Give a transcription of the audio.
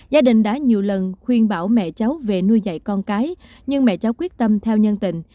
gia đình đã nhiều lần khuyên bảo mẹ cháu về nuôi dạy con cái nhưng mẹ cháu quyết tâm theo nhân tình